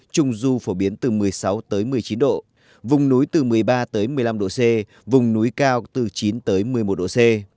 trung du phổ biến từ một mươi sáu một mươi chín độ vùng núi từ một mươi ba một mươi năm độ c vùng núi cao từ chín một mươi một độ c